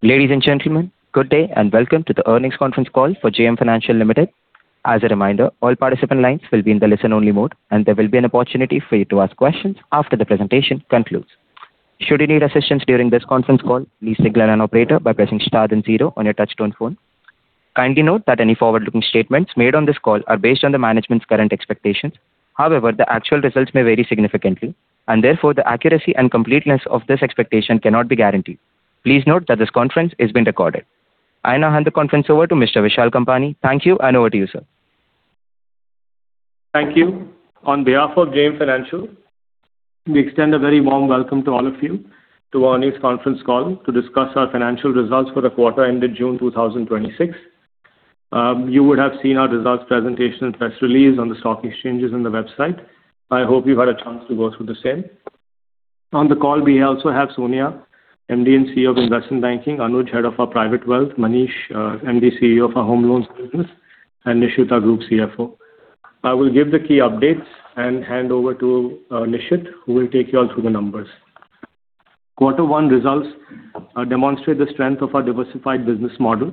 Ladies and gentlemen, good day and welcome to the earnings conference call for JM Financial Limited. As a reminder, all participant lines will be in the listen-only mode, and there will be an opportunity for you to ask questions after the presentation concludes. Should you need assistance during this conference call, please signal an operator by pressing star then zero on your touch-tone phone. Kindly note that any forward-looking statements made on this call are based on the management's current expectations. However, the actual results may vary significantly, therefore the accuracy and completeness of this expectation cannot be guaranteed. Please note that this conference is being recorded. I now hand the conference over to Mr. Vishal Kampani. Thank you, and over to you, sir. Thank you. On behalf of JM Financial, we extend a very warm welcome to all of you to our news conference call to discuss our financial results for the quarter ended June 2026. You would have seen our results presentation and press release on the stock exchanges and the website. I hope you've had a chance to go through the same. On the call, we also have Sonia, MD & CEO of Investment Banking, Anuj, Head of our Private Wealth, Manish, MD and CEO of our Home Loans Business, and Nishit, our Group CFO. I will give the key updates and hand over to Nishit, who will take you all through the numbers. Quarter one results demonstrate the strength of our diversified business model,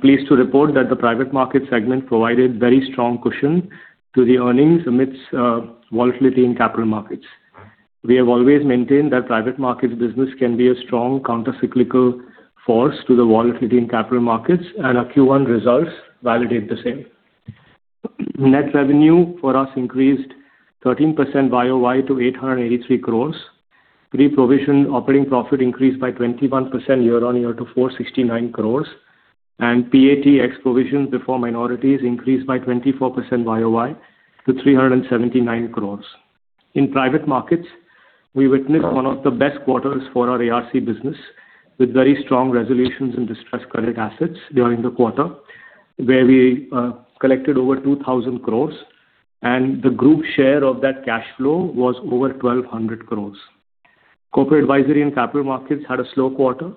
pleased to report that the private market segment provided very strong cushion to the earnings amidst volatility in capital markets. We have always maintained that private markets business can be a strong counter-cyclical force to the volatility in capital markets, our Q1 results validate the same. Net revenue for us increased 13% YoY to 883 crore. Pre-provision operating profit increased by 21% year-on-year to 469 crore. PAT ex-provision before minorities increased by 24% YoY to 379 crore. In private markets, we witnessed one of the best quarters for our ARC business, with very strong resolutions in distressed credit assets during the quarter, where we collected over 2,000 crore and the group share of that cash flow was over 1,200 crore. Corporate advisory and capital markets had a slow quarter,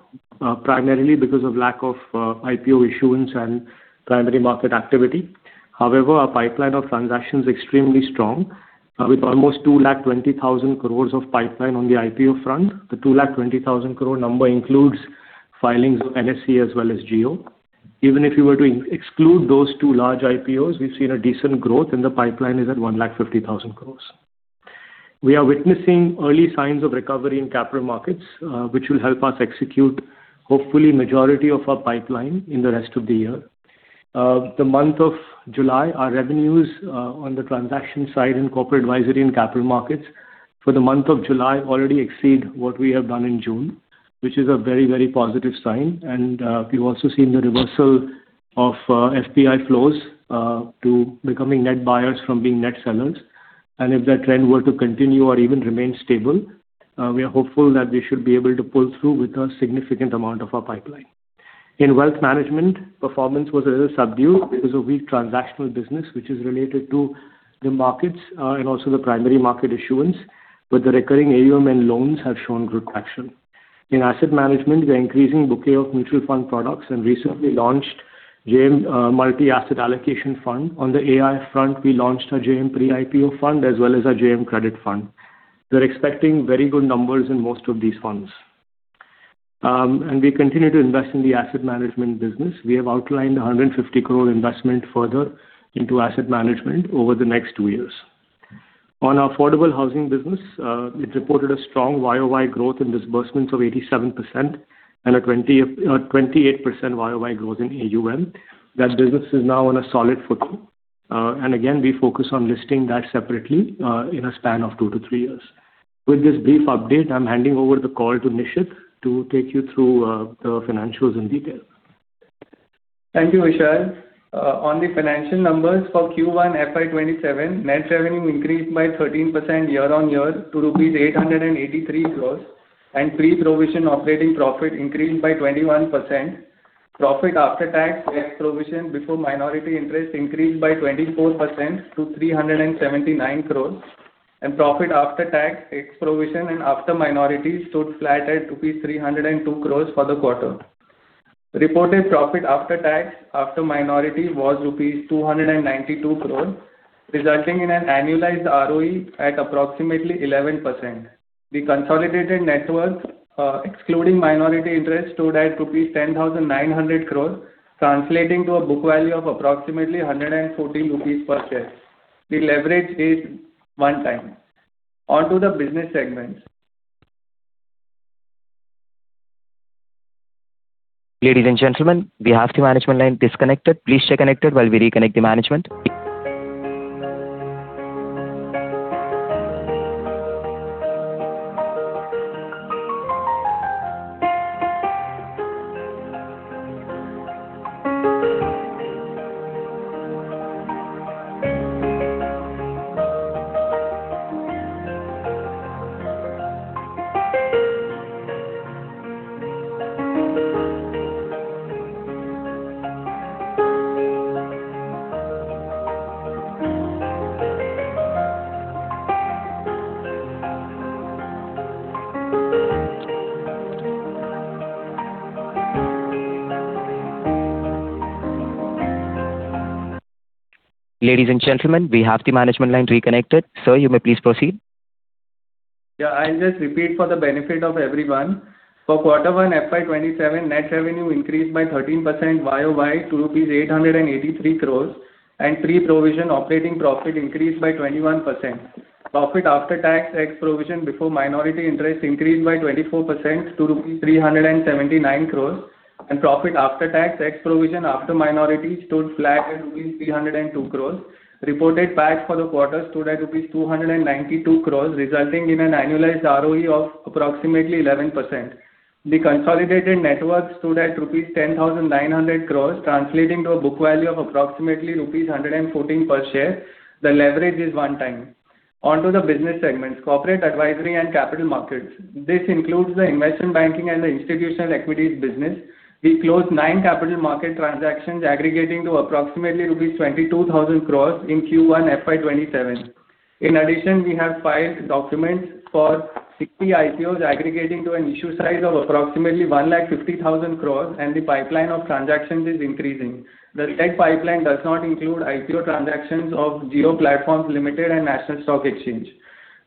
primarily because of lack of IPO issuance and primary market activity. However, our pipeline of transactions extremely strong, with almost 220,000 crore of pipeline on the IPO front. The 220,000 crore number includes filings of NSE as well as Jio Platforms Limited. Even if you were to exclude those two large IPOs, we've seen a decent growth, the pipeline is at 150,000 crore. We are witnessing early signs of recovery in capital markets, which will help us execute, hopefully, majority of our pipeline in the rest of the year. The month of July, our revenues on the transaction side in corporate advisory and capital markets for the month of July already exceed what we have done in June, which is a very positive sign. We've also seen the reversal of FPI flows to becoming net buyers from being net sellers. If that trend were to continue or even remain stable, we are hopeful that we should be able to pull through with a significant amount of our pipeline. In Wealth Management, performance was a little subdued because of weak transactional business, which is related to the markets and also the primary market issuance, but the recurring AUM and loans have shown good traction. In Asset Management, we're increasing bouquet of mutual fund products and recently launched JM Multi Asset Allocation Fund. On the AIF front, we launched our JM Pre-IPO Fund as well as our JM Credit Fund. We're expecting very good numbers in most of these funds. We continue to invest in the Asset Management business. We have outlined 150 crore investment further into Asset Management over the next two years. On affordable housing business, it reported a strong YoY growth in disbursements of 87% and a 28% YoY growth in AUM. That business is now on a solid foothold. Again, we focus on listing that separately, in a span of two to three years. With this brief update, I'm handing over the call to Nishit to take you through the financials in detail. Thank you, Vishal. On the financial numbers for Q1 FY 2027, net revenue increased by 13% year-on-year to rupees 883 crore, pre-provision operating profit increased by 21%. Profit after tax ex-provision before minority interest increased by 24% to 379 crore. Profit after tax ex-provision and after minorities stood flat at rupees 302 crore for the quarter. Reported profit after tax after minority was rupees 292 crore, resulting in an annualized ROE at approximately 11%. The consolidated net worth, excluding minority interest, stood at INR 10,900 crore, translating to a book value of approximately 114 rupees per share. The leverage is one time. On to the business segments. Ladies and gentlemen, we have the management line disconnected. Please stay connected while we reconnect the management. Ladies and gentlemen, we have the management line reconnected. Sir, you may please proceed. I'll just repeat for the benefit of everyone. For quarter 1one FY 2027, net revenue increased by 13% YoY to rupees 883 crore, and pre-provision operating profit increased by 21%. Profit after tax ex-provision before minority interest increased by 24% to rupees 379 crore. Profit after tax ex-provision after minority stood flat at rupees 302 crore. Reported PAT for the quarter stood at rupees 292 crore, resulting in an annualized ROE of approximately 11%. The consolidated net worth stood at rupees 10,900 crore, translating to a book value of approximately rupees 114 per share. The leverage is one time. Onto the business segments, Corporate Advisory and Capital Markets. This includes the Investment Banking and the Institutional Equities business. We closed nine capital market transactions aggregating to approximately rupees 22,000 crore in Q1 FY 2027. In addition, we have filed documents for 60 IPOs aggregating to an issue size of approximately 150,000 crore. The pipeline of transactions is increasing. That pipeline does not include IPO transactions of Jio Platforms Limited and National Stock Exchange.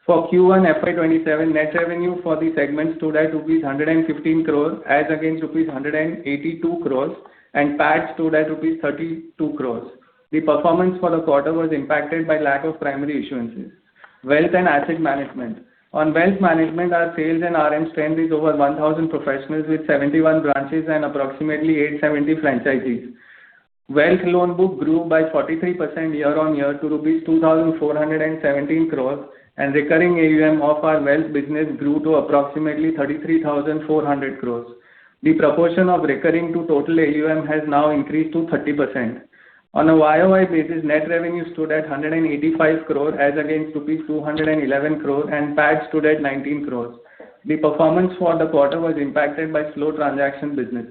For Q1 FY 2027, net revenue for the segment stood at rupees 115 crore as against rupees 182 crore. PAT stood at rupees 32 crore. The performance for the quarter was impacted by lack of primary issuances. Wealth and Asset Management. On Wealth Management, our sales and RM strength is over 1,000 professionals with 71 branches and approximately 870 franchisees. Wealth loan book grew by 43% year-on-year to rupees 2,417 crore, and recurring AUM of our wealth business grew to approximately 33,400 crore. The proportion of recurring to total AUM has now increased to 30%. On a YoY basis, net revenue stood at 185 crore as against rupees 211 crore. PAT stood at 19 crore. The performance for the quarter was impacted by slow transaction business.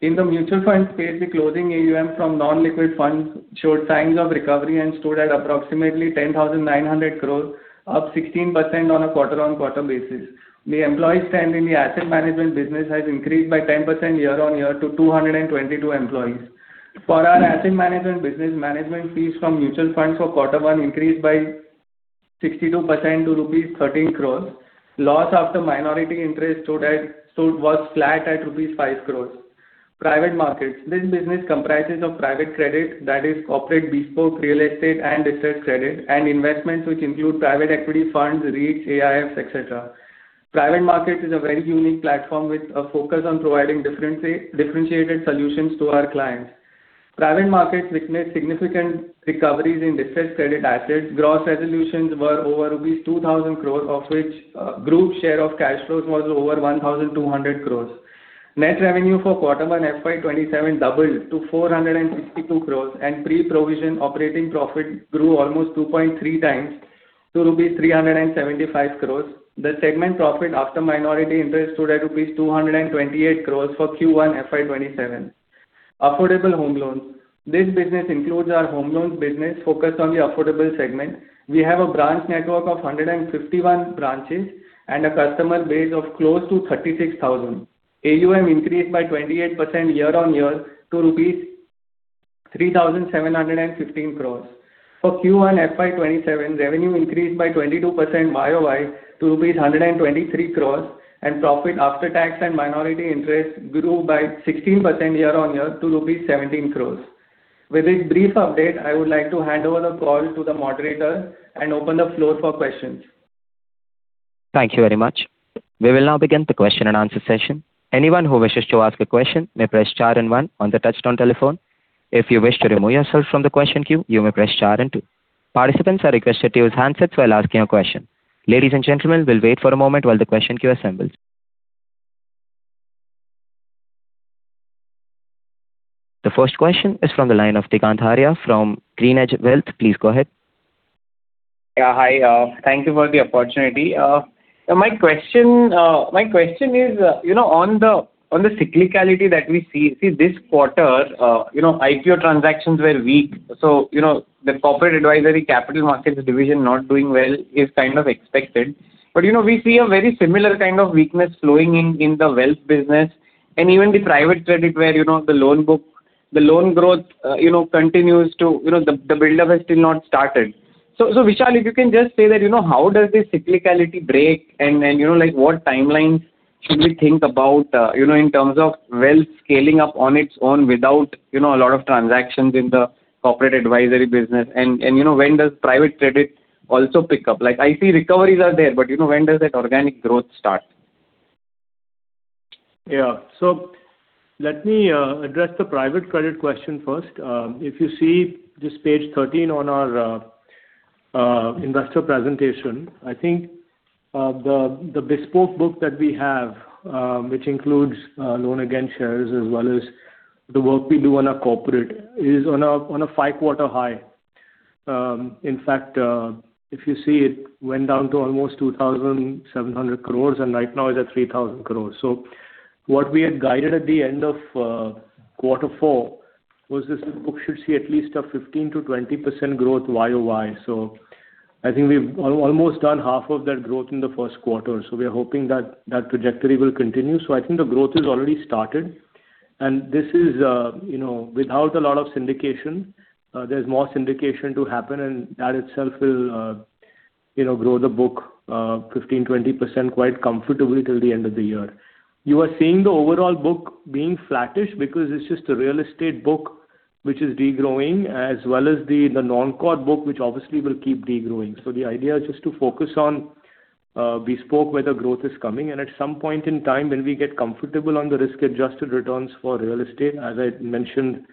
In the mutual fund space, the closing AUM from non-liquid funds showed signs of recovery and stood at approximately 10,900 crore, up 16% on a quarter-on-quarter basis. The employee strength in the Asset Management business has increased by 10% year-on-year to 222 employees. For our Asset Management business, management fees from mutual funds for quarter one increased by 62% to rupees 13 crore. Loss after minority interest was flat at rupees 5 crore. Private Markets. This business comprises of Private Credit, that is Corporate Bespoke Real Estate and Distressed Credit, and investments which include private equity funds, REITs, AIFs, et cetera. Private Markets is a very unique platform with a focus on providing differentiated solutions to our clients. Private Markets witnessed significant recoveries in Distressed Credit assets. Gross resolutions were over rupees 2,000 crore, of which group share of cash flows was over 1,200 crore. Net revenue for quarter one FY 2027 doubled to 462 crore. Pre-provision operating profit grew almost 2.3x to rupees 375 crore. The segment profit after minority interest stood at rupees 228 crore for Q1 FY 2027. Affordable Home Loans. This business includes our Home Loans business focused on the affordable segment. We have a branch network of 151 branches and a customer base of close to 36,000. AUM increased by 28% year-on-year to rupees 3,715 crore. For Q1 FY 2027, revenue increased by 22% YoY to rupees 123 crore, and profit after tax and minority interest grew by 16% year-on-year to rupees 17 crore. With this brief update, I would like to hand over the call to the moderator and open the floor for questions. Thank you very much. We will now begin the question and answer session. Anyone who wishes to ask a question may press star one on the touchtone telephone. If you wish to remove yourself from the question queue, you may press star two. Participants are requested to use handsets while asking a question. Ladies and gentlemen, we will wait for a moment while the question queue assembles. The first question is from the line of Digant Haria from GreenEdge Wealth. Please go ahead. Hi. Thank you for the opportunity. My question is, on the cyclicality that we see. This quarter, IPO transactions were weak. The corporate advisory capital markets division not doing well is kind of expected. We see a very similar kind of weakness flowing in the wealth business, and even the private credit where the loan growth, the buildup has still not started. Vishal, if you can just say that, how does this cyclicality break, what timeline should we think about in terms of wealth scaling up on its own without a lot of transactions in the corporate advisory business? When does private credit also pick up? I see recoveries are there, but when does that organic growth start? Let me address the private credit question first. If you see this page 13 on our investor presentation, I think the bespoke book that we have, which includes loan against shares as well as the work we do on our corporate, is on a five-quarter high. In fact, if you see, it went down to almost 2,700 crore, and right now is at 3,000 crore. What we had guided at the end of quarter four was this book should see at least a 15%-20% growth YoY. I think we have almost done half of that growth in the first quarter. We are hoping that that trajectory will continue. I think the growth has already started. This is without a lot of syndication. That itself will grow the book 15%-20% quite comfortably till the end of the year. You are seeing the overall book being flattish because it's just a real estate book which is de-growing, as well as the non-core book, which obviously will keep de-growing. The idea is just to focus on bespoke where the growth is coming, and at some point in time, when we get comfortable on the risk-adjusted returns for real estate, as I mentioned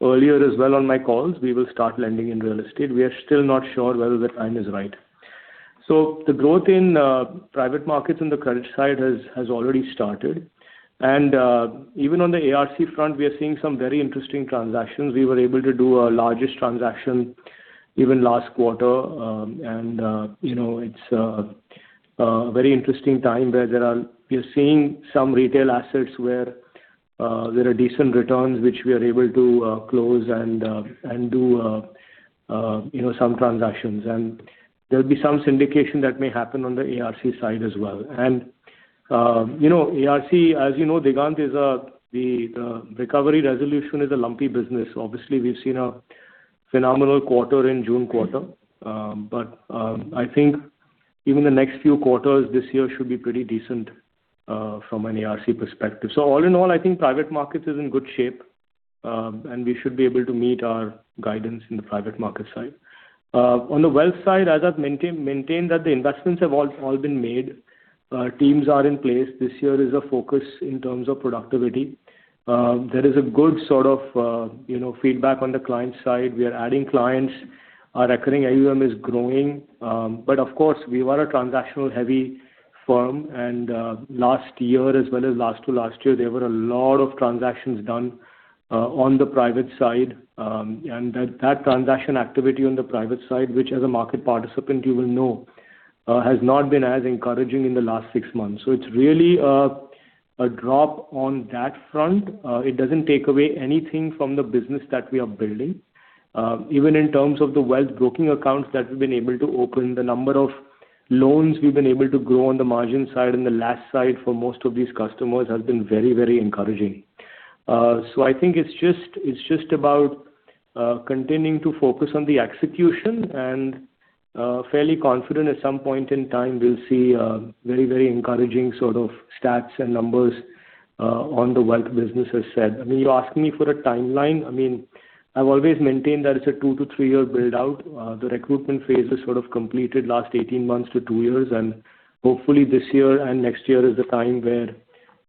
earlier as well on my calls, we will start lending in real estate. We are still not sure whether the time is right. The growth in private markets on the credit side has already started. Even on the ARC front, we are seeing some very interesting transactions. We were able to do our largest transaction even last quarter. It's a very interesting time where we are seeing some retail assets where there are decent returns, which we are able to close and do some transactions. There'll be some syndication that may happen on the ARC side as well. ARC, as you know, Digant, the recovery resolution is a lumpy business. Obviously, we've seen a phenomenal quarter in June quarter. I think even the next few quarters this year should be pretty decent from an ARC perspective. All in all, I think private markets is in good shape, and we should be able to meet our guidance in the private market side. On the wealth side, as I've maintained that the investments have all been made. Our teams are in place. This year is a focus in terms of productivity. There is a good sort of feedback on the client side. We are adding clients. Our recurring AUM is growing. Of course, we were a transactional-heavy firm, and last year as well as last to last year, there were a lot of transactions done on the private side. That transaction activity on the private side, which as a market participant you will know, has not been as encouraging in the last six months. It's really a drop on that front. It doesn't take away anything from the business that we are building. Even in terms of the wealth broking accounts that we've been able to open, the number of loans we've been able to grow on the margin side and the last side for most of these customers has been very encouraging. I think it's just about continuing to focus on the execution and fairly confident at some point in time we'll see very encouraging sort of stats and numbers on the wealth business, as said. You're asking me for a timeline. I've always maintained that it's a two to three year build-out. The recruitment phase is sort of completed last 18 months to 2 years, hopefully this year and next year is the time where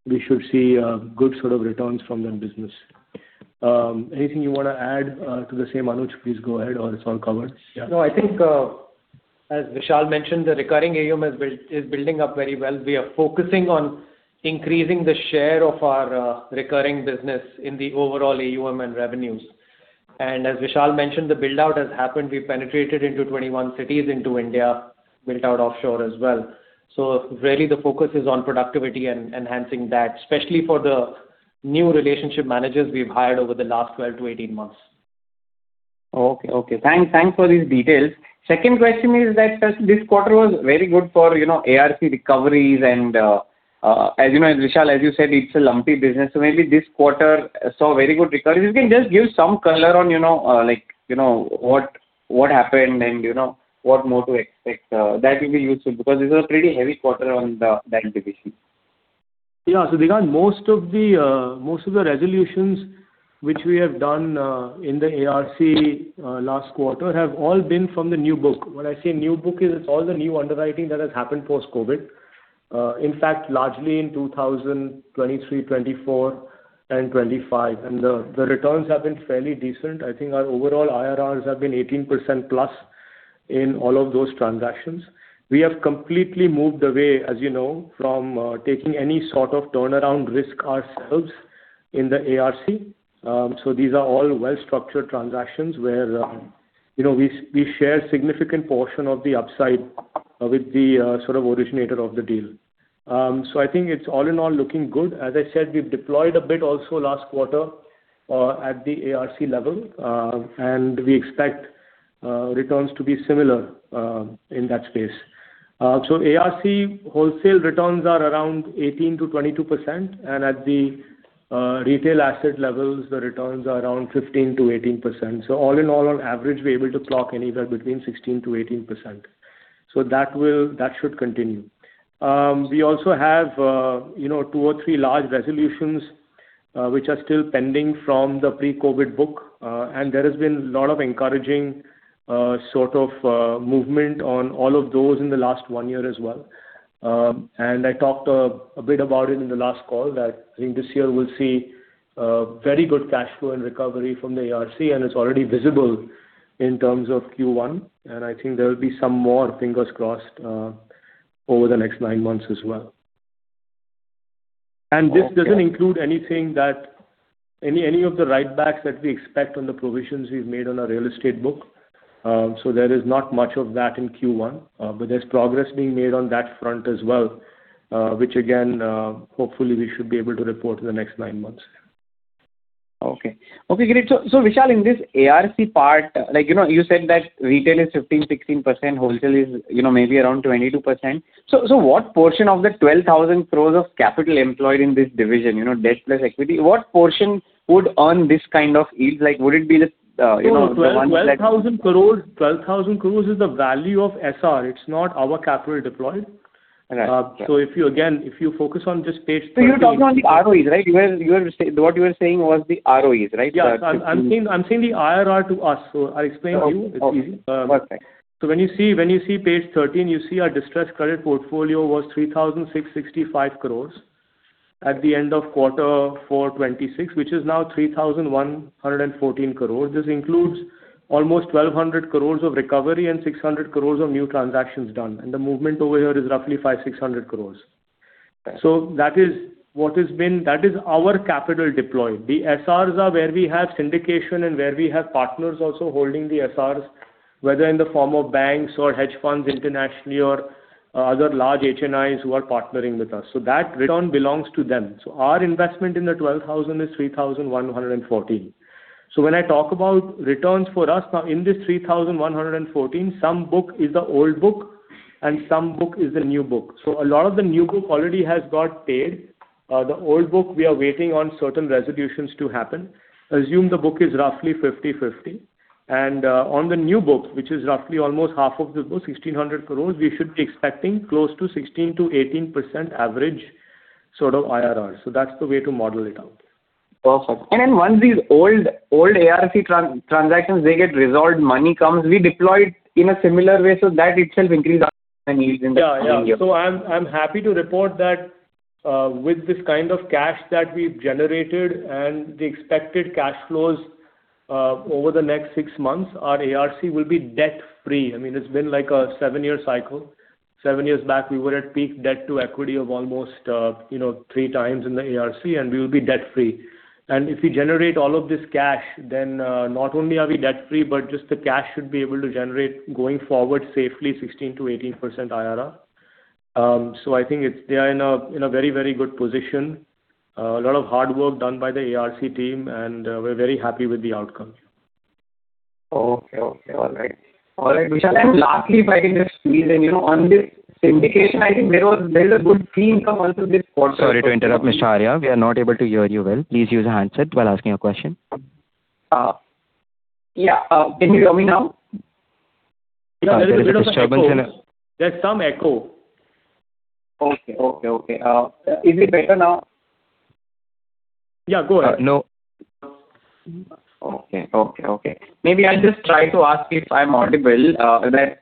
we should see good sort of returns from that business. Anything you want to add to the same, Anuj? Please go ahead, or it's all covered? Yeah. I think as Vishal mentioned, the recurring AUM is building up very well. We are focusing on increasing the share of our recurring business in the overall AUM and revenues. As Vishal mentioned, the build-out has happened. We've penetrated into 21 cities into India, built out offshore as well. Really the focus is on productivity and enhancing that, especially for the new relationship managers we've hired over the last 12-18 months. Okay. Thanks for these details. Second question is that this quarter was very good for ARC recoveries and, Vishal, as you said, it's a lumpy business. Maybe this quarter saw very good recovery. If you can just give some color on what happened and what more to expect. That will be useful because this is a pretty heavy quarter on that division. Yeah. Digant, most of the resolutions which we have done in the ARC last quarter have all been from the new book. When I say new book is it's all the new underwriting that has happened post-COVID. In fact, largely in 2023, 2024 and 2025. The returns have been fairly decent. I think our overall IRRs have been 18%+ in all of those transactions. We have completely moved away, as you know, from taking any sort of turnaround risk ourselves in the ARC. These are all well-structured transactions where we share significant portion of the upside with the sort of originator of the deal. I think it's all in all looking good. As I said, we've deployed a bit also last quarter at the ARC level. We expect returns to be similar in that space. ARC wholesale returns are around 18%-22%, and at the retail asset levels, the returns are around 15%-18%. All in all, on average, we're able to clock anywhere between 16%-18%. That should continue. We also have two or three large resolutions, which are still pending from the pre-COVID book. There has been a lot of encouraging sort of movement on all of those in the last one year as well. I talked a bit about it in the last call that I think this year we'll see very good cash flow and recovery from the ARC, and it's already visible in terms of Q1. I think there will be some more, fingers crossed, over the next nine months as well. Okay. This doesn't include any of the write-backs that we expect on the provisions we've made on our real estate book. There is not much of that in Q1. There's progress being made on that front as well, which again, hopefully we should be able to report in the next nine months. Okay. Great. Vishal, in this ARC part, you said that retail is 15%-16%, wholesale is maybe around 22%. What portion of the 12,000 crore of capital employed in this division, debt plus equity, what portion would earn this kind of yield? Like would it be the one that. 12,000 crore is the value of SR. It's not our capital deployed. Right. Yeah. If you, again, if you focus on just page. You're talking about the ROEs, right? What you were saying was the ROEs, right? The 15%. Yeah. I'm saying the IRR to us. I'll explain to you. It's easy. Okay. Perfect. When you see page 13, you see our distressed credit portfolio was 3,665 crore at the end of Q4 2026, which is now 3,114 crore. This includes almost 1,200 crore of recovery and 600 crore of new transactions done, and the movement over here is roughly 500 crore-600 crore. Okay. That is our capital deployed. The SRs are where we have syndication and where we have partners also holding the SRs, whether in the form of banks or hedge funds internationally or other large HNIs who are partnering with us. That return belongs to them. Our investment in the 12,000 is 3,114. When I talk about returns for us, now in this 3,114, some book is the old book and some book is the new book. A lot of the new book already has got paid. The old book we are waiting on certain resolutions to happen. Assume the book is roughly 50/50. On the new book, which is roughly almost half of the book, 1,600 crore, we should be expecting close to 16%-18% average sort of IRR. That's the way to model it out. Perfect. Then once these old ARC transactions, they get resolved, money comes, we deploy it in a similar way so that itself increase our return on yields in the coming year. Yeah. I'm happy to report that with this kind of cash that we've generated and the expected cash flows, over the next six months, our ARC will be debt-free. I mean, it's been like a 7-year cycle. Seven years back, we were at peak debt to equity of almost 3x in the ARC, and we will be debt-free. If we generate all of this cash, then not only are we debt-free, but just the cash should be able to generate going forward safely 16%-18% IRR. I think they are in a very good position. A lot of hard work done by the ARC team and we're very happy with the outcome. Okay. All right. Vishal, lastly, if I can just squeeze in, on this syndication, I think there was a good fee income also this quarter. Sorry to interrupt, Mr. Haria. We are not able to hear you well. Please use a handset while asking your question. Yeah. Can you hear me now? There is a disturbance in- There's a bit of echo. There's some echo. Okay. Is it better now? Yeah, go ahead. No. Okay. Maybe I'll just try to ask if I'm audible. That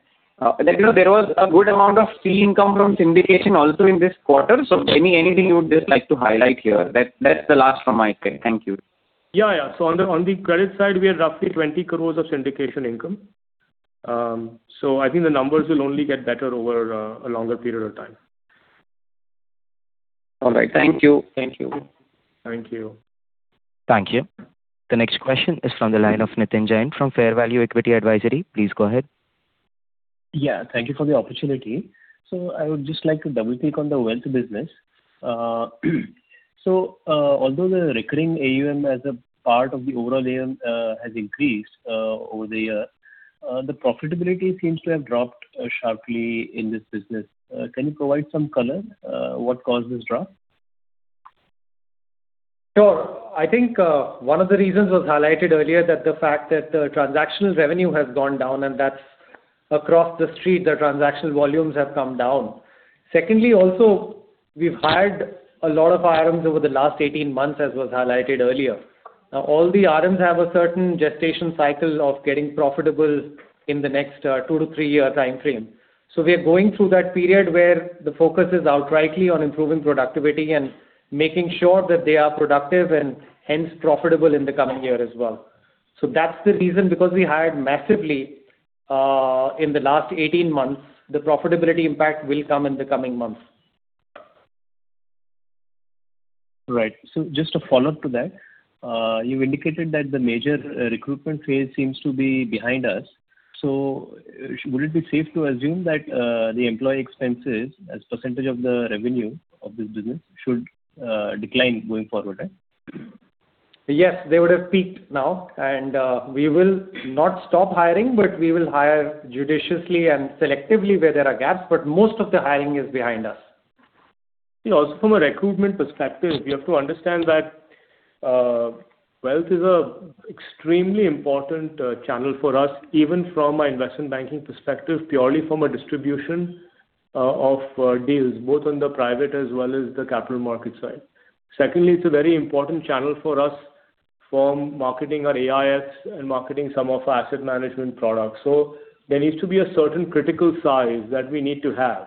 there was a good amount of fee income from syndication also in this quarter. Anything you would just like to highlight here? That's the last from my side. Thank you. Yeah. On the credit side, we have roughly 20 crore of syndication income. I think the numbers will only get better over a longer period of time. All right. Thank you. Thank you. Thank you. The next question is from the line of [Nitin Jain from FairValue Equity Advisors]. Please go ahead. Yeah. Thank you for the opportunity. I would just like to double-click on the wealth business. Although the recurring AUM as a part of the overall AUM has increased over the year, the profitability seems to have dropped sharply in this business. Can you provide some color? What caused this drop? Sure. I think, one of the reasons was highlighted earlier that the fact that the transactional revenue has gone down, that's across the street, the transactional volumes have come down. Secondly, also, we've hired a lot of RMs over the last 18 months, as was highlighted earlier. Now, all the RMs have a certain gestation cycle of getting profitable in the next two to three years time frame. We are going through that period where the focus is outrightly on improving productivity and making sure that they are productive and hence profitable in the coming year as well. That's the reason because we hired massively in the last 18 months. The profitability impact will come in the coming months. Right. Just a follow-up to that. You indicated that the major recruitment phase seems to be behind us. Would it be safe to assume that the employee expenses as percentage of the revenue of this business should decline going forward, right? They would have peaked now, we will not stop hiring, we will hire judiciously and selectively where there are gaps, but most of the hiring is behind us. From a recruitment perspective, we have to understand that wealth is an extremely important channel for us, even from an investment banking perspective, purely from a distribution of deals, both on the private as well as the capital markets side. Secondly, it's a very important channel for us from marketing our AIFs and marketing some of our Asset Management products. There needs to be a certain critical size that we need to have.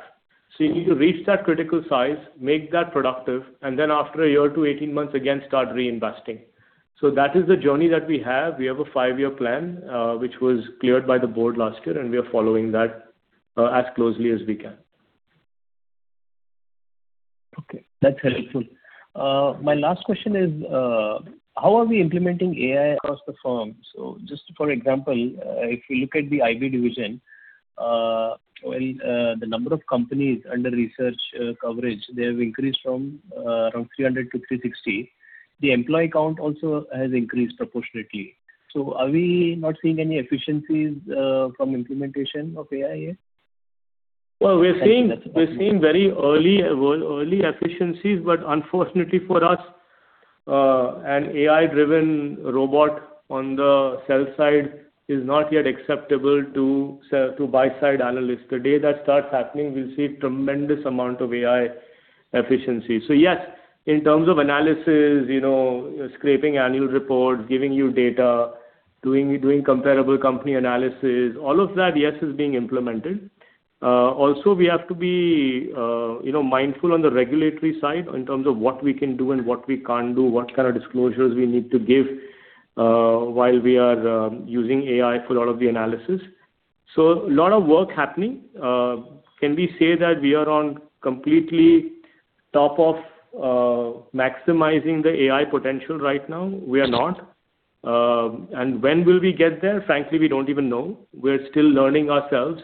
You need to reach that critical size, make that productive, and then after a year to 18 months, again, start reinvesting. That is the journey that we have. We have a five-year plan which was cleared by the board last year, we are following that as closely as we can. Okay. That's helpful. My last question is how are we implementing AI across the firm? Just for example, if you look at the IB division While the number of companies under research coverage, they have increased from around 300 to 360. The employee count also has increased proportionately. Are we not seeing any efficiencies from implementation of AI here? Well, we're seeing very early efficiencies, but unfortunately for us, an AI-driven robot on the sell side is not yet acceptable to buy-side analysts. The day that starts happening, we'll see a tremendous amount of AI efficiency. Yes, in terms of analysis, scraping annual reports, giving you data, doing comparable company analysis, all of that, yes, is being implemented. Also, we have to be mindful on the regulatory side in terms of what we can do and what we can't do, what kind of disclosures we need to give while we are using AI for a lot of the analysis. A lot of work happening. Can we say that we are on completely top of maximizing the AI potential right now? We are not. When will we get there? Frankly, we don't even know. We're still learning ourselves.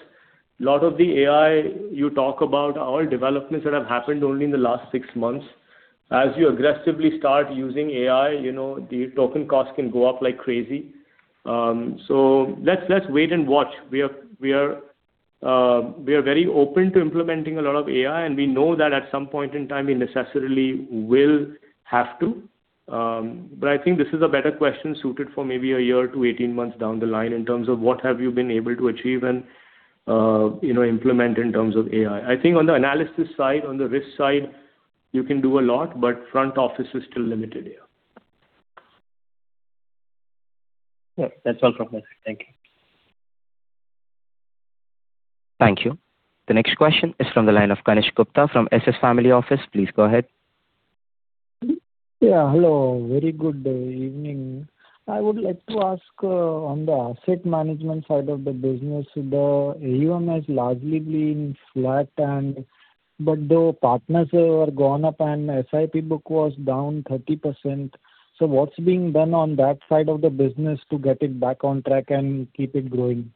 A lot of the AI you talk about are developments that have happened only in the last six months. As you aggressively start using AI, the token cost can go up like crazy. Let's wait and watch. We are very open to implementing a lot of AI, and we know that at some point in time, we necessarily will have to. I think this is a better question suited for maybe a year to 18 months down the line in terms of what have you been able to achieve and implement in terms of AI. I think on the analysis side, on the risk side, you can do a lot, but front office is still limited here. Yeah, that's all from my side. Thank you. Thank you. The next question is from the line of Kanishk Gupta from SS Family Office. Please go ahead. Yeah. Hello, very good evening. I would like to ask on the Asset Management side of the business, the AUM has largely been flat, the partners were gone up and SIP book was down 30%. What's being done on that side of the business to get it back on track and keep it growing?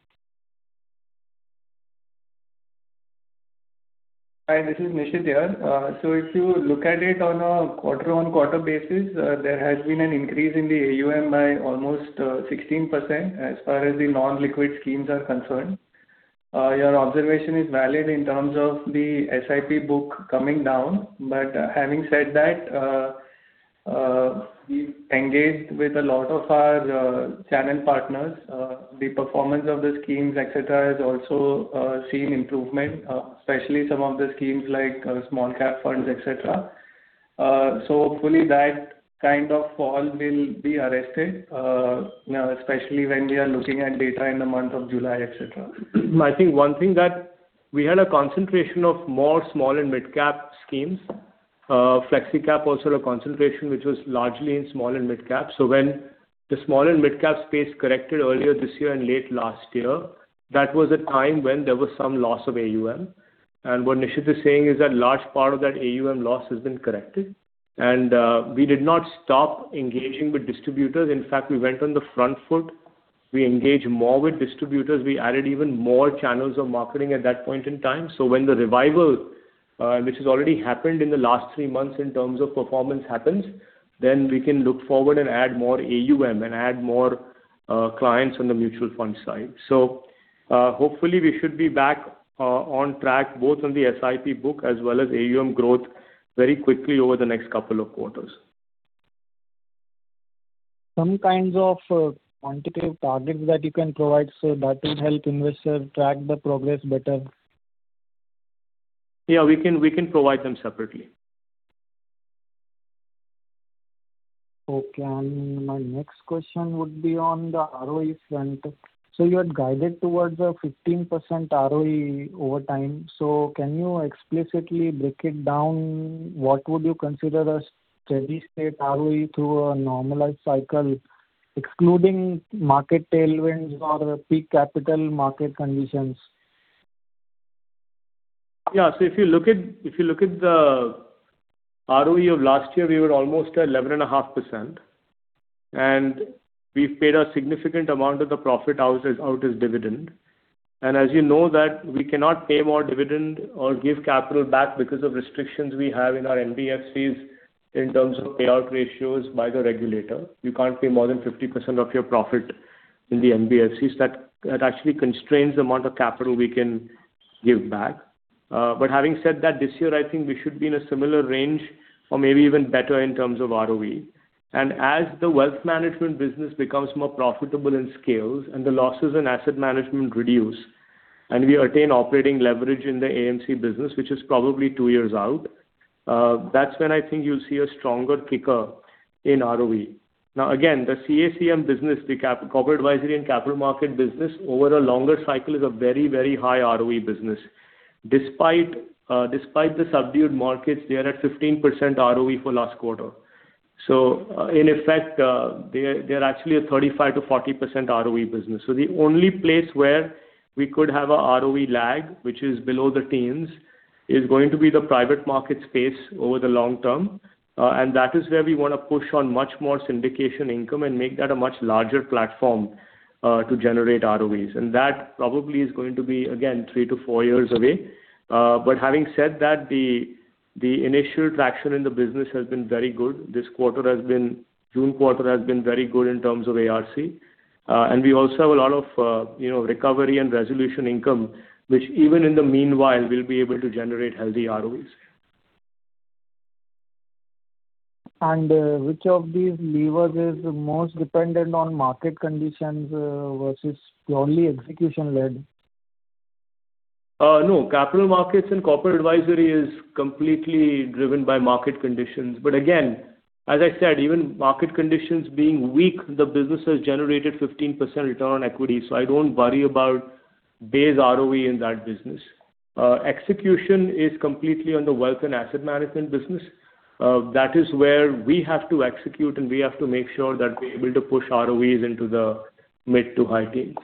Hi, this is Nishit here. If you look at it on a quarter-on-quarter basis, there has been an increase in the AUM by almost 16% as far as the non-liquid schemes are concerned. Your observation is valid in terms of the SIP book coming down. Having said that, we've engaged with a lot of our channel partners. The performance of the schemes, et cetera, has also seen improvement, especially some of the schemes like small cap funds, et cetera. Hopefully that kind of fall will be arrested, especially when we are looking at data in the month of July, et cetera. I think one thing that we had a concentration of more small and mid-cap schemes. Flexi Cap also had a concentration, which was largely in small and midcaps. When the small and midcap space corrected earlier this year and late last year, that was a time when there was some loss of AUM. What Nishit is saying is that a large part of that AUM loss has been corrected. We did not stop engaging with distributors. In fact, we went on the front foot. We engaged more with distributors. We added even more channels of marketing at that point in time. When the revival, which has already happened in the last three months in terms of performance happens, then we can look forward and add more AUM and add more clients on the mutual fund side. Hopefully we should be back on track, both on the SIP book as well as AUM growth very quickly over the next couple of quarters. Some kinds of quantitative targets that you can provide so that will help investors track the progress better. Yeah, we can provide them separately. Okay. My next question would be on the ROE front. You had guided towards a 15% ROE over time. Can you explicitly break it down? What would you consider a steady state ROE through a normalized cycle, excluding market tailwinds or peak capital market conditions? Yeah. If you look at the ROE of last year, we were almost at 11.5%. We've paid a significant amount of the profit out as dividend. As you know that we cannot pay more dividend or give capital back because of restrictions we have in our NBFCs in terms of payout ratios by the regulator. You can't pay more than 50% of your profit in the NBFCs. That actually constrains the amount of capital we can give back. Having said that, this year, I think we should be in a similar range or maybe even better in terms of ROE. As the Wealth Management business becomes more profitable and scales and the losses in Asset Management reduce, and we attain operating leverage in the AMC business, which is probably two years out, that's when I think you'll see a stronger kicker in ROE. Now, again, the CACM business, the Corporate Advisory and Capital Market business, over a longer cycle is a very, very high ROE business. Despite the subdued markets, they are at 15% ROE for last quarter. In effect, they're actually a 35%-40% ROE business. The only place where we could have a ROE lag, which is below the teens, is going to be the private market space over the long term. That is where we want to push on much more syndication income and make that a much larger platform to generate ROEs. That probably is going to be, again, three to four years away. Having said that, the initial traction in the business has been very good. This June quarter has been very good in terms of ARC. We also have a lot of recovery and resolution income, which even in the meanwhile will be able to generate healthy ROEs. Which of these levers is most dependent on market conditions versus purely execution-led? No. Capital markets and corporate advisory is completely driven by market conditions. Again, as I said, even market conditions being weak, the business has generated 15% return on equity. I don't worry about base ROE in that business. Execution is completely on the wealth and Asset Management business. That is where we have to execute, and we have to make sure that we're able to push ROEs into the mid to high teens.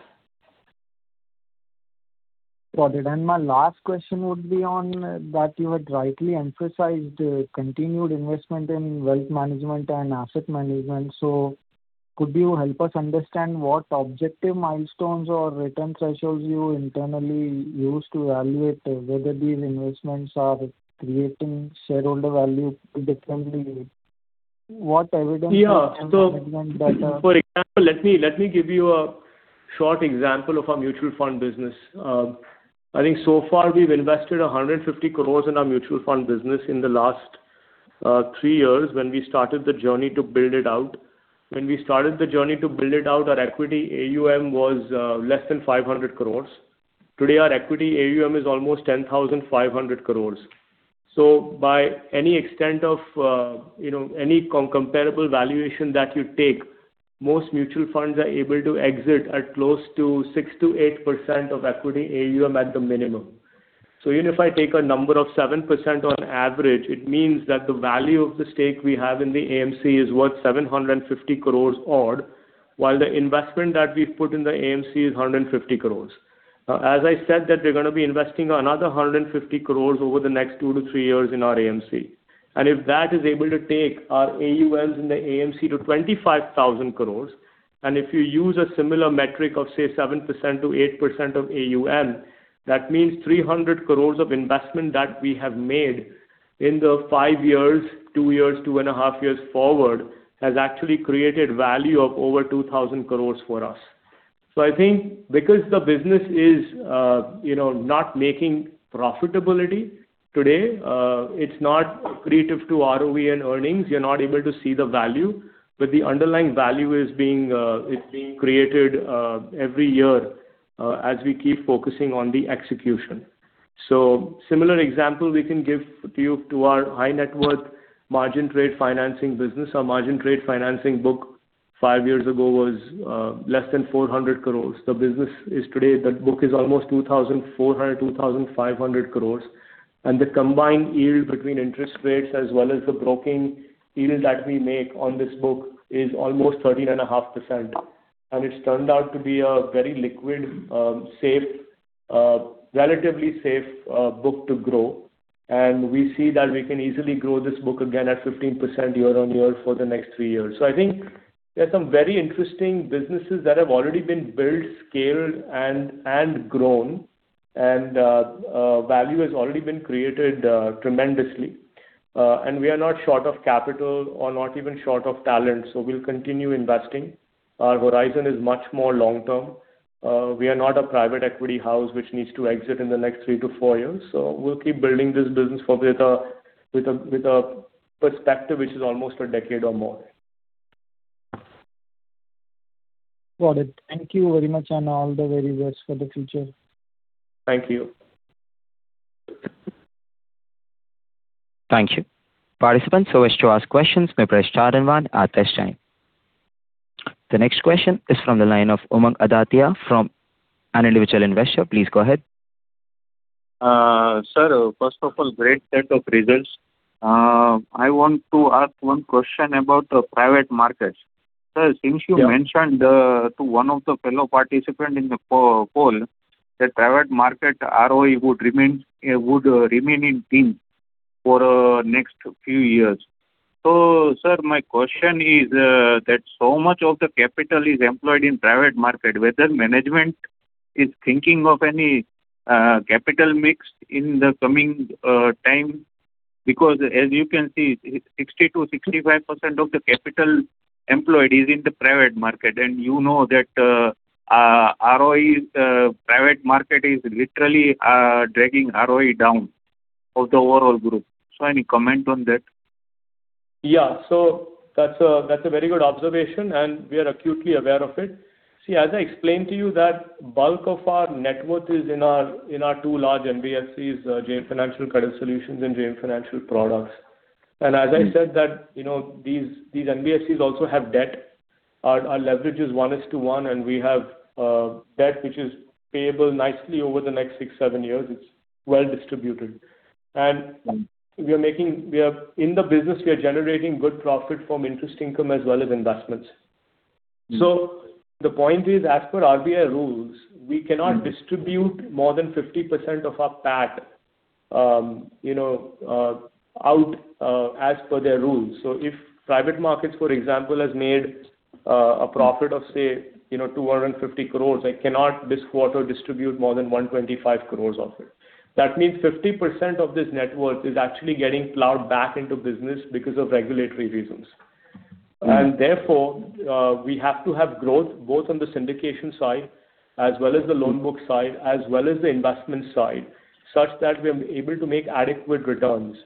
Got it. My last question would be on that you had rightly emphasized continued investment in Wealth Management and Asset Management. Could you help us understand what objective milestones or return thresholds you internally use to evaluate whether these investments are creating shareholder value differently? Yeah. Can you present that? For example, let me give you a short example of our mutual fund business. I think so far we've invested 150 crore in our mutual fund business in the last three years when we started the journey to build it out. When we started the journey to build it out, our equity AUM was less than 500 crore. Today, our equity AUM is almost 10,500 crore. By any extent of any comparable valuation that you take, most mutual funds are able to exit at close to 6%-8% of equity AUM at the minimum. Even if I take a number of 7% on average, it means that the value of the stake we have in the AMC is worth 750 crore odd, while the investment that we've put in the AMC is 150 crore. As I said that we're going to be investing another 150 crore over the next two to three years in our AMC. If that is able to take our AUMs in the AMC to 25,000 crore, and if you use a similar metric of, say, 7%-8% of AUM, that means 300 crore of investment that we have made in the five years, two years, two and a half years forward, has actually created value of over 2,000 crore for us. I think because the business is not making profitability today, it's not accretive to ROE and earnings. You're not able to see the value, but the underlying value is being created every year as we keep focusing on the execution. Similar example we can give to you to our High Net Worth margin trade financing business. Our margin trade financing book five years ago was less than 400 crore. The business is today, that book is almost 2,400-2,500 crore. The combined yield between interest rates as well as the broking yields that we make on this book is almost 13.5%. It's turned out to be a very liquid, relatively safe book to grow. We see that we can easily grow this book again at 15% year-on-year for the next three years. I think there are some very interesting businesses that have already been built, scaled, and grown, and value has already been created tremendously. We are not short of capital or not even short of talent, so we'll continue investing. Our horizon is much more long-term. We are not a private equity house which needs to exit in the next three to four years. We'll keep building this business with a perspective which is almost a decade or more. Got it. Thank you very much and all the very best for the future. Thank you. Thank you. Participants who wish to ask questions may press star and one at this time. The next question is from the line of [Umang Adatia] an individual investor. Please go ahead. Sir, first of all, great set of results. I want to ask one question about private markets. Sir, since you mentioned to one of the fellow participant in the call that private market ROE would remain in the teens for next few years. Sir, my question is that so much of the capital is employed in private market, whether management is thinking of any capital mix in the coming time, because as you can see, 60%-65% of the capital employed is in the private market, and you know that private market is literally dragging ROE down of the overall group. Any comment on that? Yeah. That's a very good observation, and we are acutely aware of it. See, as I explained to you, that bulk of our net worth is in our two large NBFCs, JM Financial Credit Solutions and JM Financial Products. As I said that these NBFCs also have debt. Our leverage is 1:1, and we have debt which is payable nicely over the next six to seven years. It's well distributed. In the business, we are generating good profit from interest income as well as investments. The point is, as per RBI rules, we cannot distribute more than 50% of our PAT out as per their rules. If private markets, for example, has made a profit of say, 250 crore. I cannot this quarter distribute more than 125 crore of it. That means 50% of this net worth is actually getting plowed back into business because of regulatory reasons. Therefore, we have to have growth both on the syndication side as well as the loan book side, as well as the investment side, such that we are able to make adequate returns.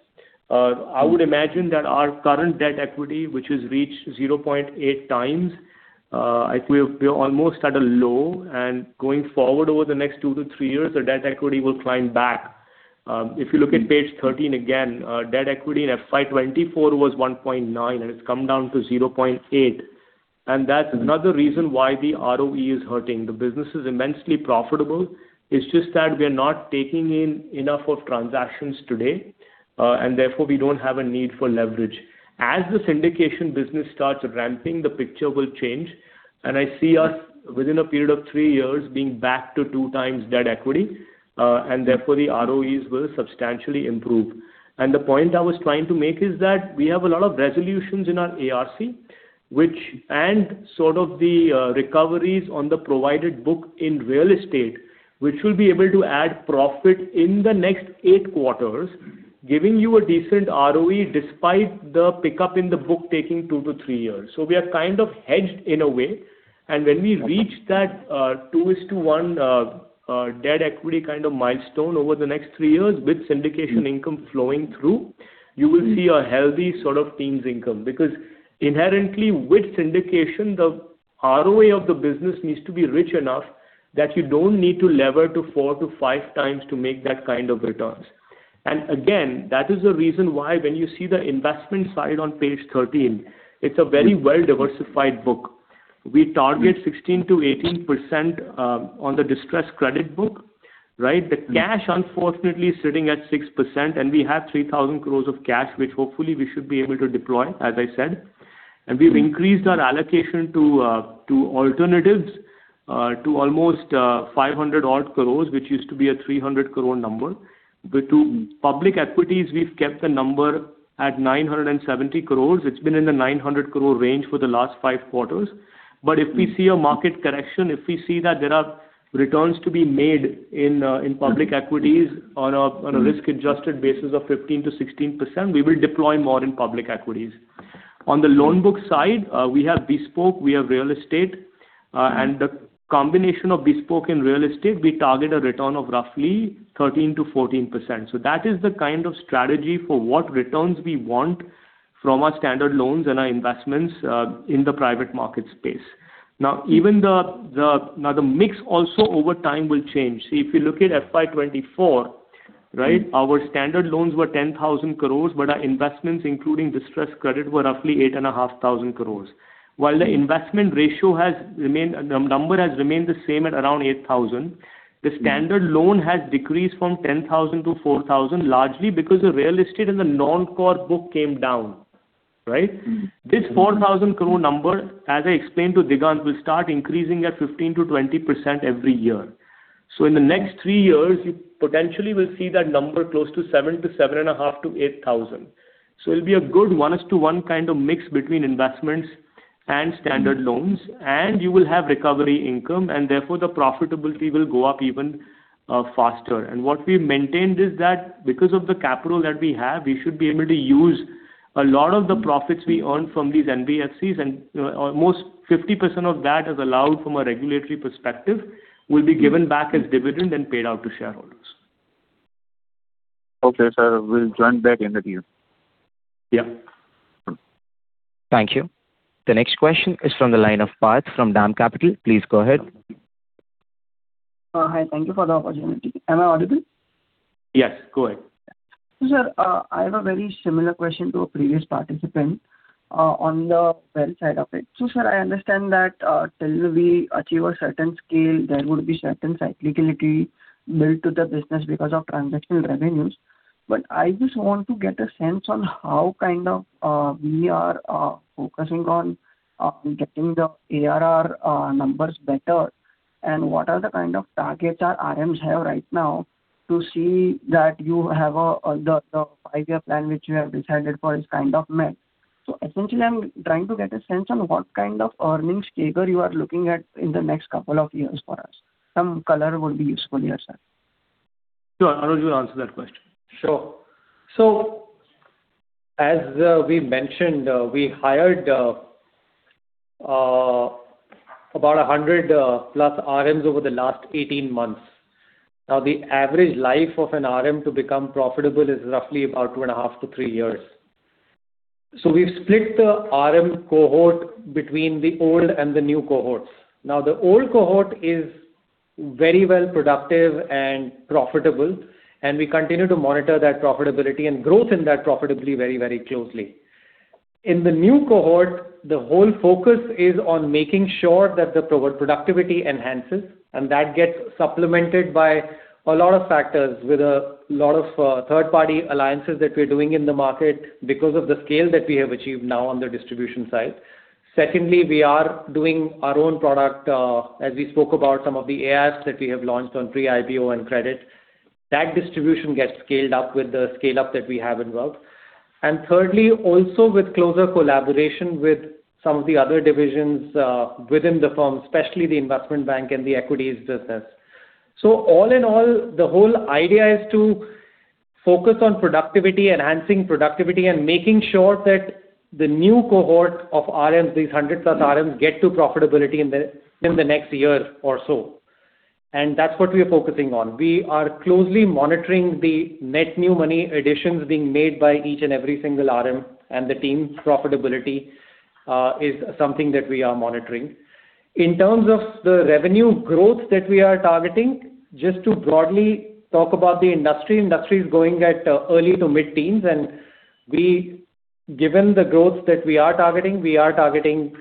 I would imagine that our current debt equity, which has reached 0.8x, we are almost at a low. Going forward over the next two to three years, our debt equity will climb back. If you look at page 13 again, debt equity in FY 2024 was 1.9x and it's come down to 0.8x and that's another reason why the ROE is hurting. The business is immensely profitable. It's just that we are not taking in enough of transactions today, and therefore, we don't have a need for leverage. As the syndication business starts ramping, the picture will change, and I see us within a period of three years being back to 2x debt equity. Therefore, the ROEs will substantially improve. The point I was trying to make is that we have a lot of resolutions in our ARC, and sort of the recoveries on the provided book in real estate, which will be able to add profit in the next eight quarters, giving you a decent ROE despite the pickup in the book taking two to three years. We are kind of hedged in a way. When we reach that 2:1 debt equity kind of milestone over the next three years with syndication income flowing through, you will see a healthy sort of teens income. Inherently with syndication, the ROE of the business needs to be rich enough that you don't need to lever to 4x-5x to make that kind of returns. Again, that is the reason why when you see the investment side on page 13, it's a very well-diversified book. We target 16%-18% on the distressed credit book, right? The cash unfortunately is sitting at 6% and we have 3,000 crore of cash, which hopefully we should be able to deploy, as I said. We've increased our allocation to alternatives to almost 500 odd crore, which used to be a 300 crore number. The two public equities, we've kept the number at 970 crore. It's been in the 900 crore range for the last five quarters. If we see a market correction, if we see that there are returns to be made in public equities on a risk-adjusted basis of 15%-16%, we will deploy more in public equities. On the loan book side, we have Bespoke, we have real estate. The combination of bespoke and real estate, we target a return of roughly 13%-14%. That is the kind of strategy for what returns we want from our standard loans and our investments in the private market space. The mix also over time will change. If you look at FY 2024, right, our standard loans were 10,000 crore, our investments, including distressed credit, were roughly 8,500 crore. While the investment ratio number has remained the same at around 8,000, the standard loan has decreased from 10,000 to 4,000, largely because the real estate and the non-core book came down, right? This 4,000 crore number, as I explained to Digant, will start increasing at 15%-20% every year. In the next three years, you potentially will see that number close to 7,000 to 7,500 to 8,000. It'll be a good one is to one kind of mix between investments and standard loans. You will have recovery income and therefore the profitability will go up even faster. What we've maintained is that because of the capital that we have, we should be able to use a lot of the profits we earn from these NBFCs, and almost 50% of that is allowed from a regulatory perspective, will be given back as dividend and paid out to shareholders. Okay, sir. [I will join back the queue]. Yeah. Thank you. The next question is from the line of [Parth] from DAM Capital. Please go ahead. Hi. Thank you for the opportunity. Am I audible? Yes, go ahead. I have a very similar question to a previous participant on the wealth side of it. Sir, I understand that till we achieve a certain scale, there would be certain cyclicality built to the business because of transactional revenues. I just want to get a sense on how kind of we are focusing on getting the ARR numbers better, and what are the kind of targets our RMs have right now to see that the five-year plan which you have decided for is kind of met. Essentially, I'm trying to get a sense on what kind of earnings taper you are looking at in the next couple of years for us. Some color would be useful here, sir. Sure. Anuj will answer that question. As we mentioned, we hired about 100+ RMs over the last 18 months. The average life of an RM to become profitable is roughly about two and a half to three years. We've split the RM cohort between the old and the new cohorts. The old cohort is very well productive and profitable, and we continue to monitor that profitability and growth in that profitably very, very closely. In the new cohort, the whole focus is on making sure that the productivity enhances and that gets supplemented by a lot of factors with a lot of third-party alliances that we're doing in the market because of the scale that we have achieved now on the distribution side. Secondly, we are doing our own product. As we spoke about some of the AIFs that we have launched on pre-IPO and credit. That distribution gets scaled up with the scale-up that we have in wealth. Thirdly, also with closer collaboration with some of the other divisions within the firm, especially the investment bank and the equities business. All in all, the whole idea is to focus on productivity, enhancing productivity, and making sure that the new cohort of RMs, these 100+ RMs, get to profitability in the next year or so. That's what we are focusing on. We are closely monitoring the net new money additions being made by each and every single RM and the team's profitability is something that we are monitoring. In terms of the revenue growth that we are targeting, just to broadly talk about the industry is going at early to mid-teens. Given the growth that we are targeting, we are targeting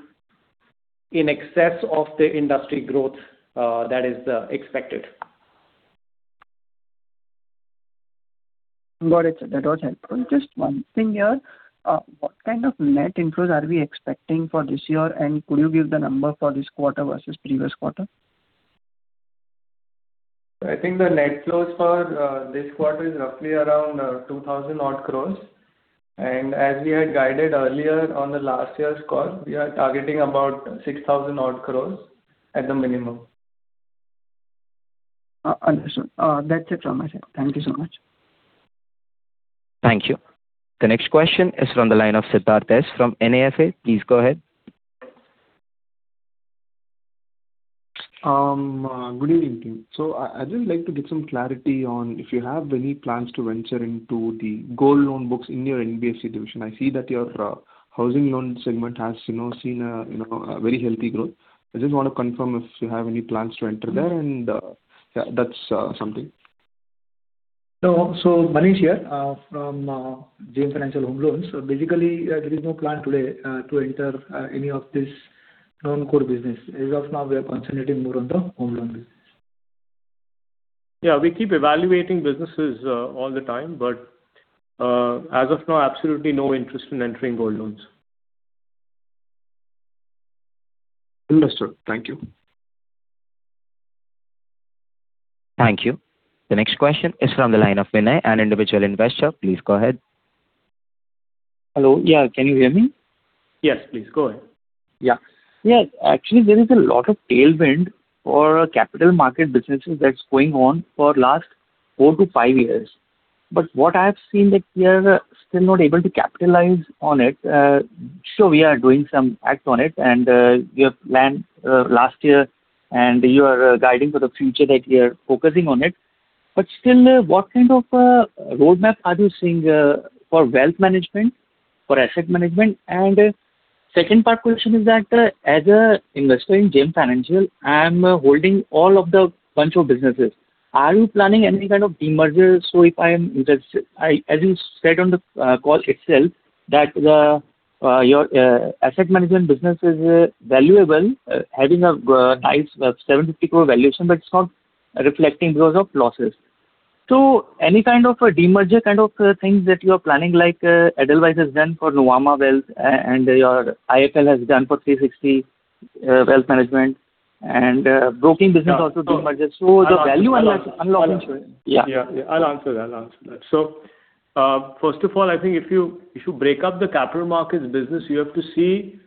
in excess of the industry growth that is expected. Got it. That was helpful. Just one thing here. What kind of net inflows are we expecting for this year? Could you give the number for this quarter versus previous quarter? I think the net flows for this quarter is roughly around 2,000 crore. As we had guided earlier on the last year's call, we are targeting about 6,000 crore at the minimum. Understood. That's it from my side. Thank you so much. Thank you. The next question is from the line of [Siddharth Deshmukh from AMFI]. Please go ahead. Good evening, team. I'd just like to get some clarity on if you have any plans to venture into the gold loan books in your NBFC division. I see that your housing loan segment has seen a very healthy growth. I just want to confirm if you have any plans to enter there and, yeah, that's something. Manish here from JM Financial Home Loans. Basically, there is no plan today to enter any of this non-core business. As of now, we are concentrating more on the home loan business. Yeah, we keep evaluating businesses all the time, as of now, absolutely no interest in entering gold loans. Understood. Thank you. Thank you. The next question is from the line of Vinay, an individual investor. Please go ahead. Hello. Yeah, can you hear me? Yes, please go ahead. Actually, there is a lot of tailwind for capital market businesses that's going on for last four to five years. What I have seen that we are still not able to capitalize on it. Sure, we are doing some acts on it and we have planned last year and you are guiding for the future that we are focusing on it. Still, what kind of a roadmap are you seeing for Wealth Management, for Asset Management? Second part question is that, as an investor in JM Financial, I am holding all of the bunch of businesses. Are you planning any kind of demergers? As you said on the call itself, that your Asset Management business is valuable, having a nice 750 crore valuation, it's not reflecting because of losses. Any kind of a demerger kind of things that you are planning like Edelweiss has done for Nuvama Wealth and your IIFL has done for 360 ONE Wealth and broking business also demerger, the value unlocking. I'll answer that. First of all, I think if you break up the capital markets business, you have to see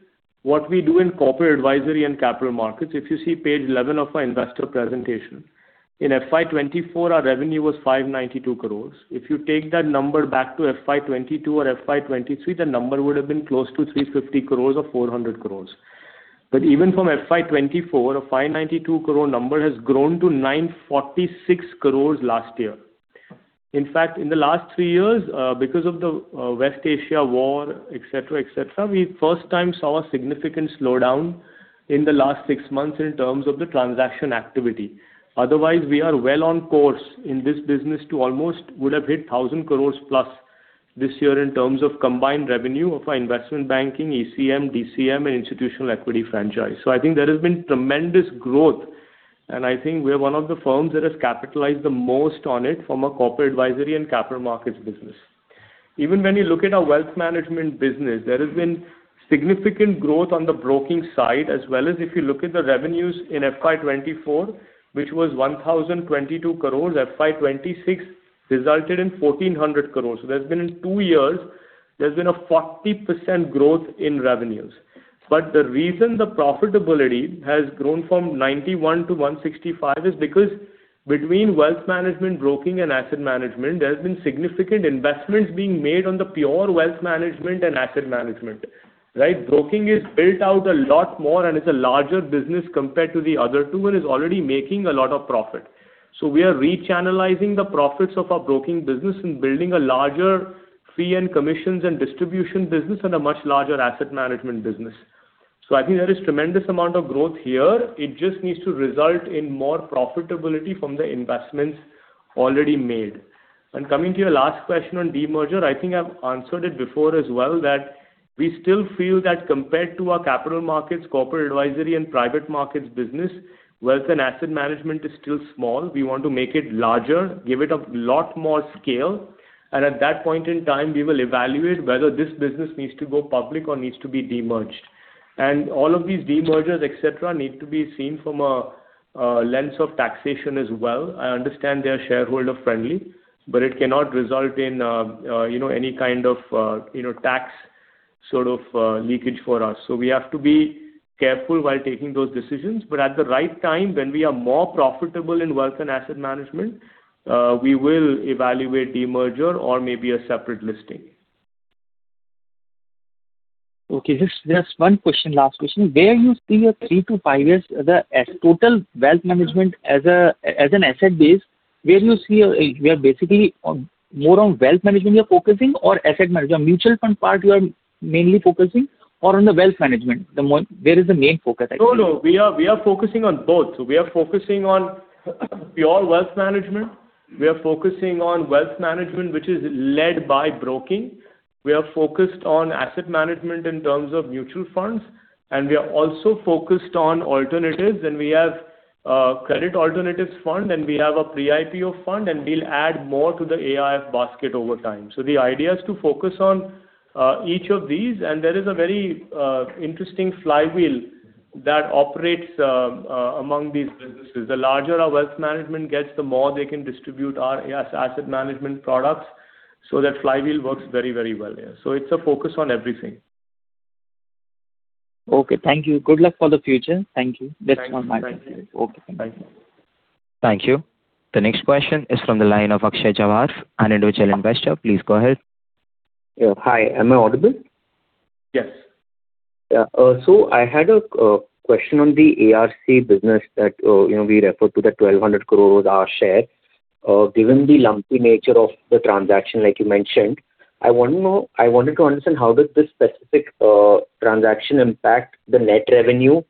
what we do in corporate advisory and capital markets. If you see page 11 of our investor presentation. In FY 2024, our revenue was 592 crore. If you take that number back to FY 2022 or FY 2023, the number would have been close to 350 crore or 400 crore. Even from FY 2024, an 592 crore number has grown to 946 crore last year. In fact, in the last three years, because of the West Asia war, et cetera, we first time saw a significant slowdown in the last six months in terms of the transaction activity. Otherwise, we are well on course in this business to almost would have hit 1,000+ crore this year in terms of combined revenue of our investment banking, ECM, DCM, and institutional equity franchise. I think there has been tremendous growth, and I think we're one of the firms that has capitalized the most on it from a corporate advisory and capital markets business. Even when you look at our Wealth Management business, there has been significant growth on the broking side, as well as if you look at the revenues in FY 2024, which was 1,022 crore, FY 2026 resulted in 1,400 crore. In two years, there's been a 40% growth in revenues. The reason the profitability has grown from 91 to 165 is because between Wealth Management, broking, and Asset Management, there has been significant investments being made on the pure Wealth Management and Asset Management. Right? Broking is built out a lot more, and it's a larger business compared to the other two, and is already making a lot of profit. We are rechannelizing the profits of our broking business and building a larger fee and commissions and distribution business and a much larger Asset Management business. I think there is tremendous amount of growth here. It just needs to result in more profitability from the investments already made. Coming to your last question on demerger, I think I've answered it before as well that we still feel that compared to our capital markets, corporate advisory and private markets business, Wealth and Asset Management is still small. We want to make it larger, give it a lot more scale. At that point in time, we will evaluate whether this business needs to go public or needs to be demerged. All of these demergers, etc., need to be seen from a lens of taxation as well. I understand they are shareholder-friendly, it cannot result in any kind of tax sort of leakage for us. We have to be careful while taking those decisions. At the right time, when we are more profitable in wealth and Asset Management, we will evaluate demerger or maybe a separate listing. Okay. Just one question, last question. Where you see your three to five years, the total Wealth Management as an asset base, where basically more on Wealth Management you're focusing or Asset Management? Mutual fund part you are mainly focusing or on the Wealth Management? Where is the main focus actually? No. We are focusing on both. We are focusing on pure Wealth Management. We are focusing on Wealth Management, which is led by broking. We are focused on Asset Management in terms of mutual funds, and we are also focused on alternatives, and we have a credit alternatives fund, and we have a pre-IPO fund, and we'll add more to the AIF basket over time. The idea is to focus on each of these, and there is a very interesting flywheel that operates among these businesses. The larger our Wealth Management gets, the more they can distribute our Asset Management products. That flywheel works very well, yeah. It's a focus on everything. Okay, thank you. Good luck for the future. Thank you. Just one last thing. Thank you. Okay. Bye. Thank you. The next question is from the line of [Akshay Jawas], an individual investor. Please go ahead. Hi, am I audible? Yes. I had a question on the ARC business that we refer to that 1,200 crore are shared. Given the lumpy nature of the transaction like you mentioned, I wanted to understand how does this specific transaction impact the net revenue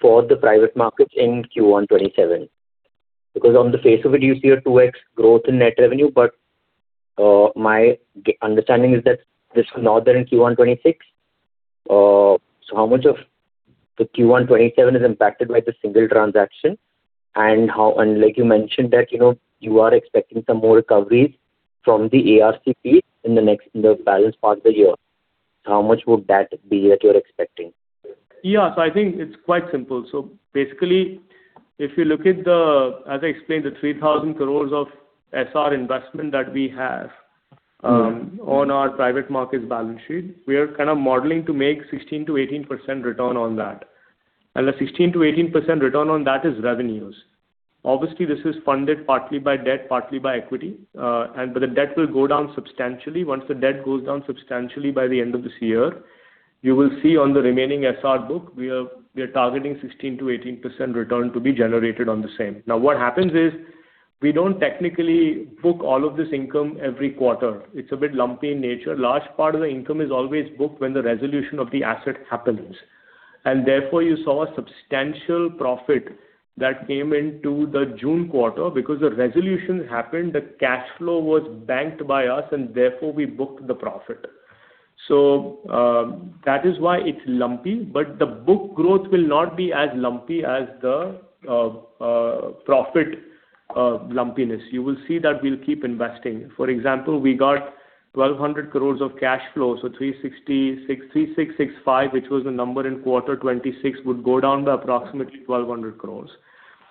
for the private markets in Q1 2027? Because on the face of it, you see a 2x growth in net revenue, but my understanding is that this was not there in Q1 2026. How much of the Q1 2027 is impacted by the single transaction, and like you mentioned that you are expecting some more recoveries from the ARC fee in the balance part of the year. How much would that be that you're expecting? Yeah. I think it's quite simple. Basically, if you look at the, as I explained, the 3,000 crore of SR investment that we have- on our private markets balance sheet, we are kind of modeling to make 16%-18% return on that. The 16%-18% return on that is revenues. Obviously, this is funded partly by debt, partly by equity, but the debt will go down substantially. Once the debt goes down substantially by the end of this year, you will see on the remaining SR book, we are targeting 16%-18% return to be generated on the same. What happens is, we don't technically book all of this income every quarter. It's a bit lumpy in nature. Large part of the income is always booked when the resolution of the asset happens. Therefore, you saw a substantial profit that came into the June quarter because the resolution happened, the cash flow was banked by us, and therefore we booked the profit. That is why it's lumpy, but the book growth will not be as lumpy as the profit lumpiness. You will see that we'll keep investing. For example, we got 1,200 crore of cash flow, 3,665, which was the number in quarter, 2026, would go down by approximately 1,200 crore.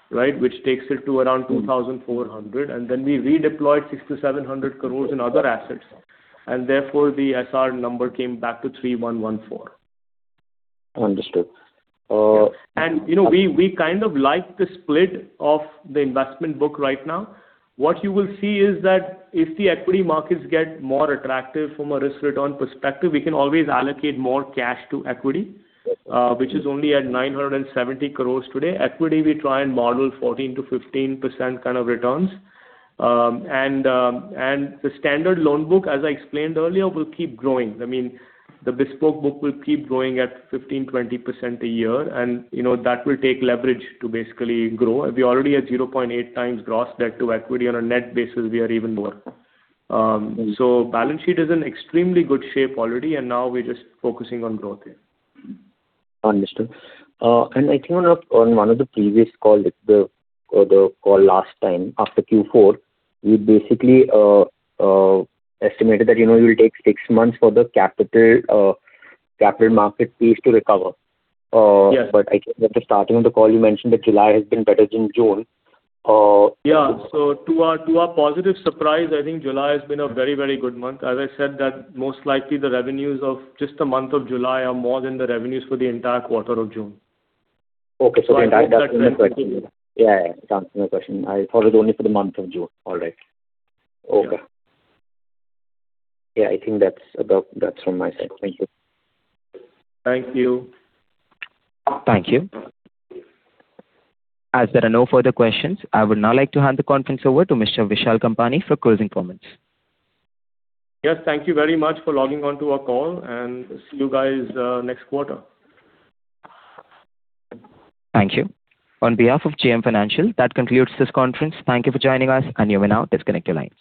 Which takes it to around 2,400, and then we redeployed 600-700 crore in other assets. Therefore, the SR number came back to 3,114. Understood. We kind of like the split of the investment book right now. What you will see is that if the equity markets get more attractive from a risk return perspective, we can always allocate more cash to equity, which is only at 970 crore today. Equity, we try and model 14%-15% kind of returns. The standard loan book, as I explained earlier, will keep growing. I mean, the bespoke book will keep growing at 15%-20% a year, and that will take leverage to basically grow. We're already at 0.8x gross debt to equity. On a net basis, we are even more. Balance sheet is in extremely good shape already, and now we're just focusing on growth here. Understood. I think on one of the previous call, or the call last time after Q4, you basically estimated that you will take six months for the capital markets fees to recover. Yes. I think at the starting of the call, you mentioned that July has been better than June. Yeah. To our positive surprise, I think July has been a very good month. As I said that most likely the revenues of just the month of July are more than the revenues for the entire quarter of June. Okay. The entire Yeah, it answers my question. I followed only for the month of June. All right. Okay. Yeah, I think that's from my side. Thank you. Thank you. Thank you. As there are no further questions, I would now like to hand the conference over to Mr. Vishal Kampani for closing comments. Yes, thank you very much for logging on to our call, and see you guys next quarter. Thank you. On behalf of JM Financial, that concludes this conference. Thank you for joining us, and you may now disconnect your lines.